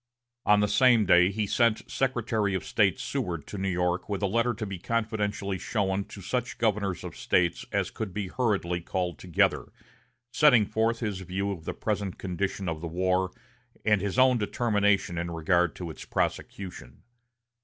On the same day he sent Secretary of State Seward to New York with a letter to be confidentially shown to such of the governors of States as could be hurriedly called together, setting forth his view of the present condition of the war, and his own determination in regard to its prosecution.